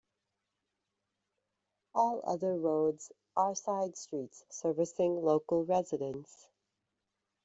All other roads are side streets servicing local residents.